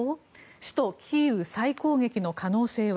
首都キーウ再攻撃の可能性は。